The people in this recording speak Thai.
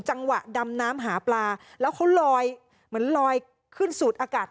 จังหวะดำน้ำหาปลาแล้วเขาลอยเหมือนลอยขึ้นสูดอากาศ